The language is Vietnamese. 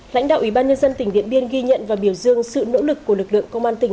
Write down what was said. lãnh đạo ubnd tỉnh điện biên ghi nhận và biểu dương sự nỗ lực của lực lượng công an tỉnh